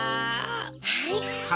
はい。